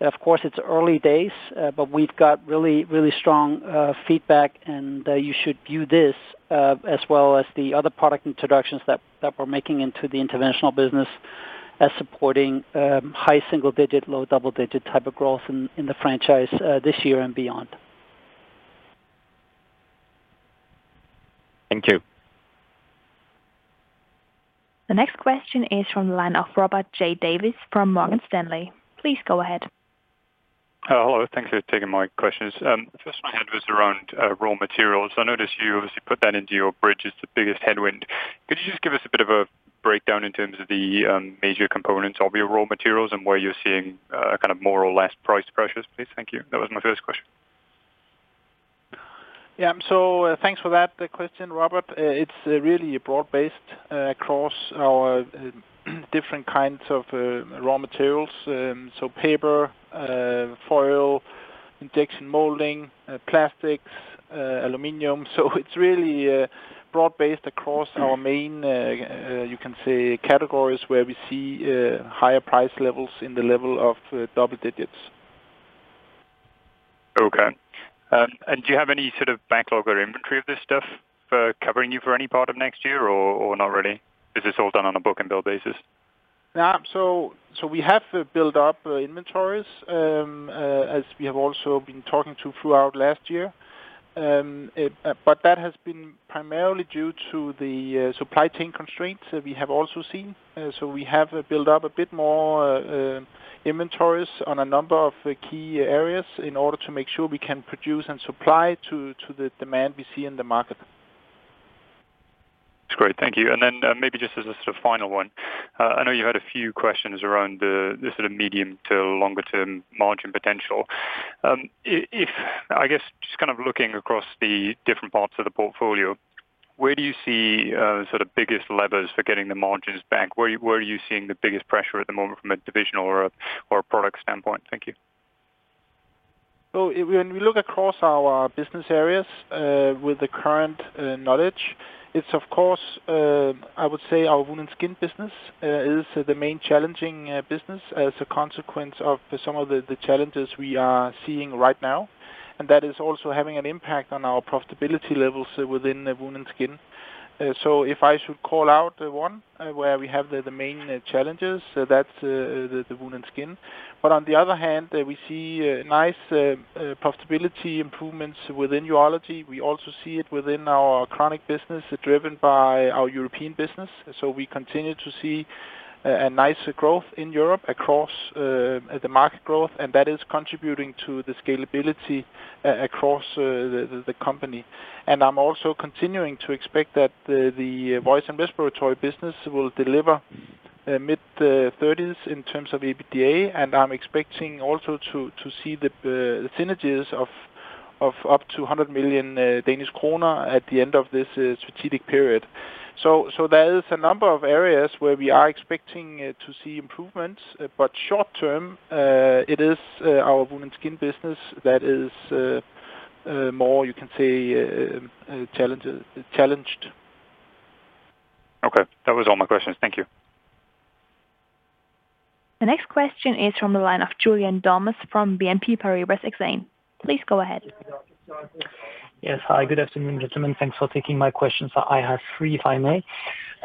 Of course, it's early days, but we've got really strong feedback, and you should view this as well as the other product introductions that we're making into the interventional business as supporting high single digit, low double digit type of growth in the franchise this year and beyond. Thank you. The next question is from the line of Robert J. Davies from Morgan Stanley. Please go ahead. Hello. Thank you for taking my questions. First one I had was around raw materials. I noticed you obviously put that into your guidance, the biggest headwind. Could you just give us a bit of a breakdown in terms of the major components of your raw materials and where you're seeing kind of more or less price pressures, please? Thank you. That was my first question. Thanks for that, the question, Robert. It's really broad-based across our different kinds of raw materials. Paper, foil, injection molding, plastics, aluminum. It's really broad-based across our main you can say categories where we see higher price levels in the level of double digits. Okay. Do you have any sort of backlog or inventory of this stuff for covering you for any part of next year or not really? Is this all done on a book and build basis? We have to build up inventories as we have also been talking about throughout last year. That has been primarily due to the supply chain constraints that we have also seen. We have built up a bit more inventories on a number of key areas in order to make sure we can produce and supply to the demand we see in the market. That's great. Thank you. Then, maybe just as a sort of final one. I know you had a few questions around the sort of medium to longer term margin potential. If, I guess just kind of looking across the different parts of the portfolio, where do you see sort of biggest levers for getting the margins back? Where are you seeing the biggest pressure at the moment from a divisional or product standpoint? Thank you. When we look across our business areas with the current knowledge, it's of course, I would say our Wound and Skin business is the main challenging business as a consequence of some of the challenges we are seeing right now. That is also having an impact on our profitability levels within the Wound and Skin. If I should call out one where we have the main challenges, that's the Wound and Skin. On the other hand, we see nice profitability improvements within urology. We also see it within our chronic business, driven by our European business. We continue to see a nice growth in Europe across the market growth, and that is contributing to the scalability across the company. I'm also continuing to expect that the Voice and Respiratory business will deliver mid thirties in terms of EBITDA. I'm expecting also to see the synergies of up to 100 million Danish kroner at the end of this strategic period. There is a number of areas where we are expecting to see improvements. Short term, it is our Wound and Skin business that is more, you can say, challenged. Okay. That was all my questions. Thank you. The next question is from the line of Julien Dormois from BNP Paribas Exane. Please go ahead. Yes. Hi, good afternoon, gentlemen. Thanks for taking my questions. I have three, if I may.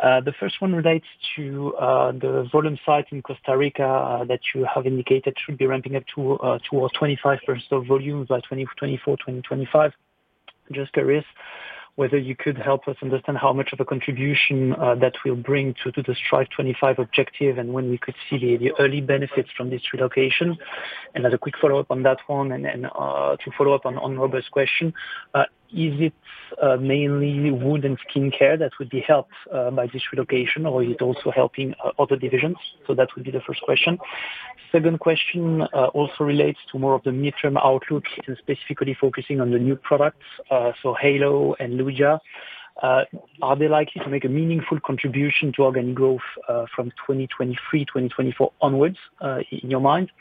The first one relates to the volume site in Costa Rica that you have indicated should be ramping up to towards 25% of volume by 2024-2025. Just curious whether you could help us understand how much of a contribution that will bring to the Strive25 objective, and when we could see the early benefits from this relocation. As a quick follow-up on that one, then to follow up on Robert's question, is it mainly Wound & Skin Care that would be helped by this relocation, or is it also helping other divisions? That would be the first question. Second question, also relates to more of the midterm outlook and specifically focusing on the new products, so Heylo and Luja. Are they likely to make a meaningful contribution to organic growth, from 2023, 2024 onwards, in your mind?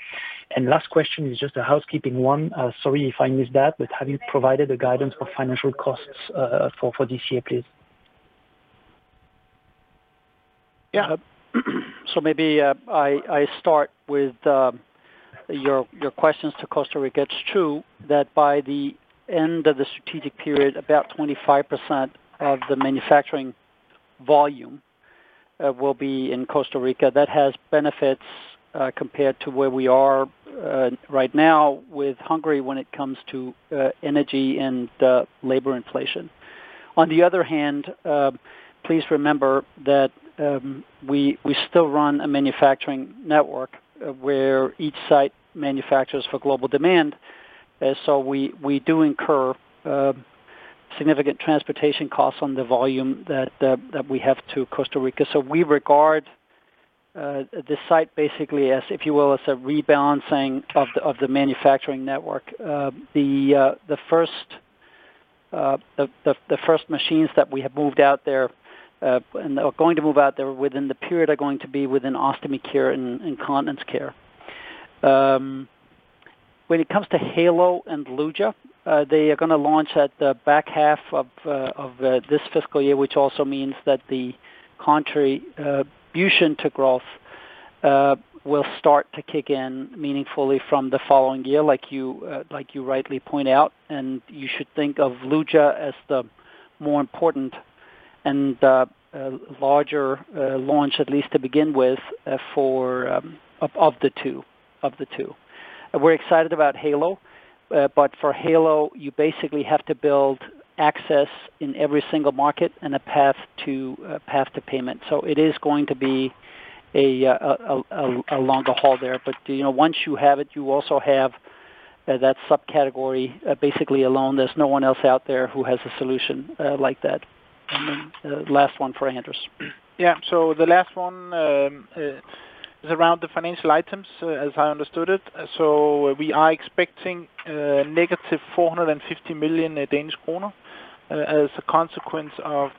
Last question is just a housekeeping one. Sorry if I missed that, but have you provided the guidance for financial costs, for this year, please? Maybe I start with your questions to Costa Rica. It's true that by the end of the strategic period, about 25% of the manufacturing volume will be in Costa Rica. That has benefits compared to where we are right now with Hungary when it comes to energy and labor inflation. On the other hand, please remember that we still run a manufacturing network where each site manufactures for global demand. We do incur significant transportation costs on the volume that we have to Costa Rica. We regard the site basically as, if you will, as a rebalancing of the manufacturing network. The first machines that we have moved out there and are going to move out there within the period are going to be within Ostomy Care and Continence Care. When it comes to Heylo and Luja, they are gonna launch at the back half of this fiscal year, which also means that the contribution to growth will start to kick in meaningfully from the following year, like you rightly point out. You should think of Luja as the more important and larger launch at least to begin with, for one of the two. We're excited about Heylo, but for Heylo, you basically have to build access in every single market and a path to payment. It is going to b e a longer haul there. You know, once you have it, you also have that subcategory basically alone. There's no one else out there who has a solution like that. Last one for Anders. Yeah. The last one is around the financial items, as I understood it. We are expecting -450 million Danish kroner as a consequence of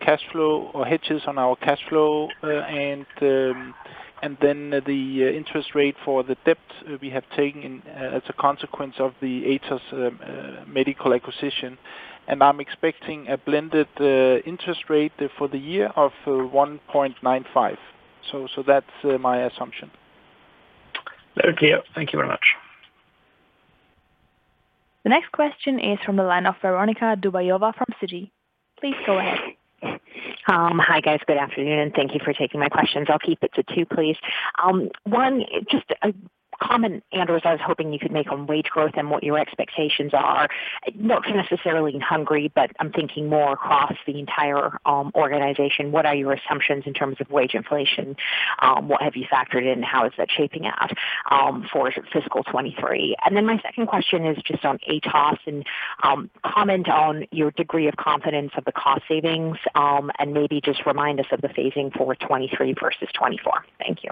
cash flow hedges on our cash flow, and then the interest rate for the debt we have taken as a consequence of the Atos Medical acquisition. I'm expecting a blended interest rate for the year of 1.95%. That's my assumption. Very clear. Thank you very much. The next question is from the line of Veronika Dubajova from Citi. Please go ahead. Hi, guys. Good afternoon. Thank you for taking my questions. I'll keep it to two, please. One, just a comment, Anders, I was hoping you could make on wage growth and what your expectations are, not necessarily in Hungary, but I'm thinking more across the entire organization. What are your assumptions in terms of wage inflation? What have you factored in? How is that shaping out for fiscal 2023? Then my second question is just on Atos and comment on your degree of confidence of the cost savings, and maybe just remind us of the phasing for 2023 versus 2024. Thank you.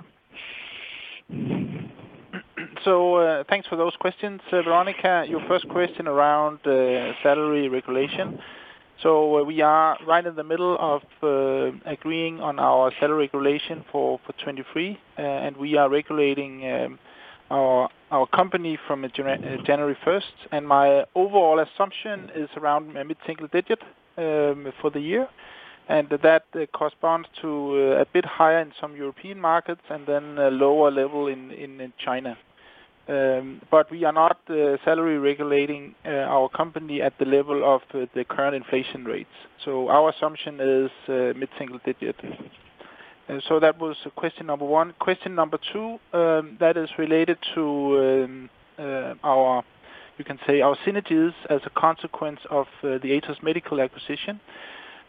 Thanks for those questions. Veronika, your first question around salary regulation. We are right in the middle of agreeing on our salary regulation for 2023, and we are regulating our company from January 1st. My overall assumption is around mid-single digit% for the year, and that corresponds to a bit higher in some European markets and then a lower level in China. We are not salary regulating our company at the level of the current inflation rates. Our assumption is mid-single digit%. That was question number one. Question number two, that is related to our, you can say our synergies as a consequence of the Atos Medical acquisition.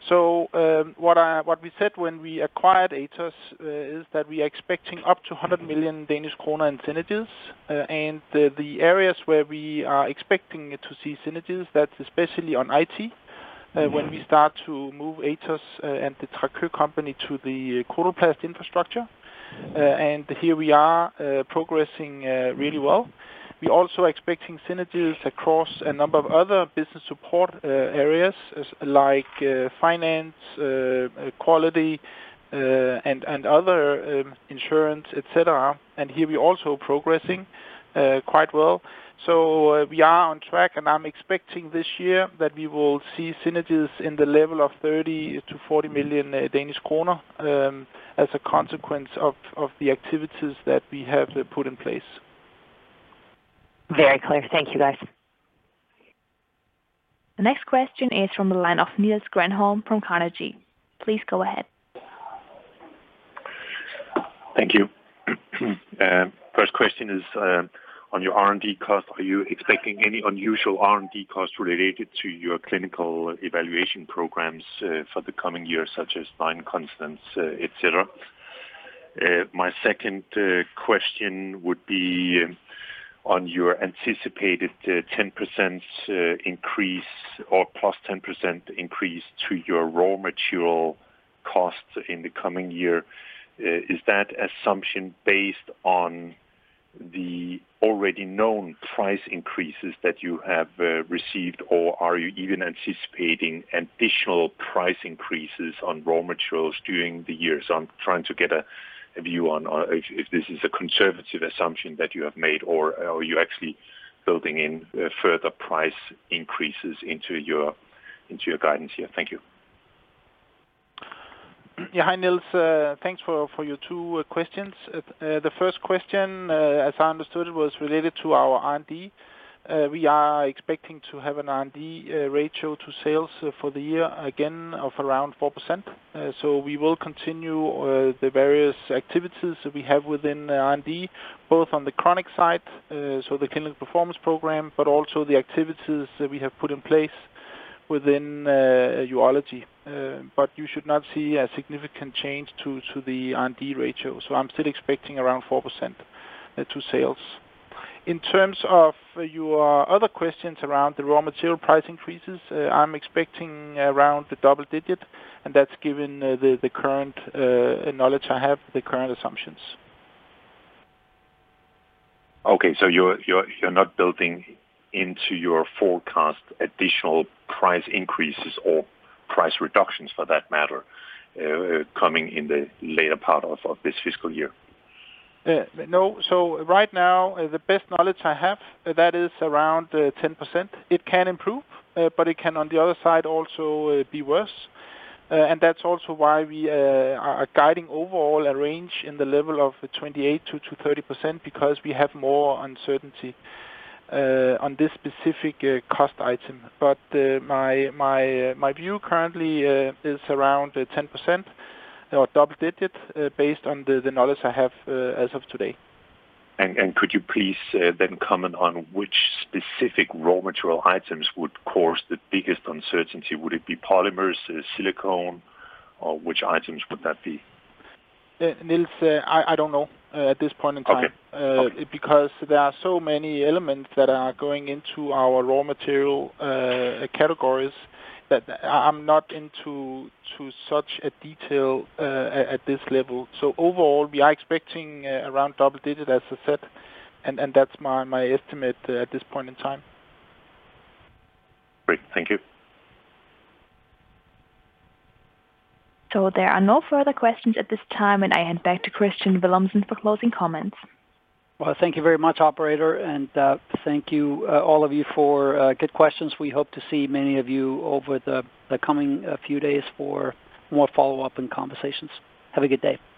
What we said when we acquired Atos is that we are expecting up to 100 million Danish kroner in synergies. The areas where we are expecting to see synergies, that's especially on IT, when we start to move Atos and the TRACOE company to the Coloplast infrastructure. Here we are progressing really well. We're also expecting synergies across a number of other business support areas, like finance, quality, and other insurance, et cetera. Here we're also progressing quite well. We are on track, and I'm expecting this year that we will see synergies in the level of 30 million-40 million Danish kroner as a consequence of the activities that we have put in place. Very clear. Thank you, guys. The next question is from the line of Niels Granholm-Leth from Carnegie. Please go ahead. Thank you. First question is on your R&D cost. Are you expecting any unusual R&D costs related to your clinical evaluation programs for the coming year, such as Nine Continents, et cetera? My second question would be on your anticipated 10% increase or +10% increase to your raw material costs in the coming year. Is that assumption based on the already known price increases that you have received, or are you even anticipating additional price increases on raw materials during the years? I'm trying to get a view on if this is a conservative assumption that you have made or are you actually building in further price increases into your guidance here. Thank you. Yeah. Hi, Niels. Thanks for your two questions. The first question, as I understood, was related to our R&D. We are expecting to have an R&D ratio to sales for the year again of around 4%. We will continue the various activities we have within R&D, both on the chronic side, so the clinical performance program, but also the activities that we have put in place within urology. You should not see a significant change to the R&D ratio. I'm still expecting around 4% to sales. In terms of your other questions around the raw material price increases, I'm expecting around the double-digit, and that's given the current knowledge I have, the current assumptions. You're not building into your forecast additional price increases or price reductions for that matter, coming in the later part of this fiscal year? No. Right now, the best knowledge I have, that is around 10%. It can improve, but it can, on the other side, also be worse. That's also why we are guiding overall a range in the level of 28%-30% because we have more uncertainty on this specific cost item. My view currently is around 10% or double digit based on the knowledge I have as of today. Could you please then comment on which specific raw material items would cause the biggest uncertainty? Would it be polymers, silicone, or which items would that be? Niels, I don't know at this point in time. Okay. Okay. Because there are so many elements that are going into our raw material categories that I'm not into such a detail at this level. Overall, we are expecting around double digit, as I said, and that's my estimate at this point in time. Great. Thank you. There are no further questions at this time, and I hand back to Kristian Villumsen for closing comments. Well, thank you very much, operator. Thank you, all of you for good questions. We hope to see many of you over the coming few days for more follow-up and conversations. Have a good day.